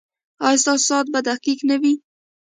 ایا ستاسو ساعت به دقیق نه وي؟